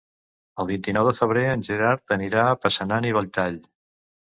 El vint-i-nou de febrer en Gerard anirà a Passanant i Belltall.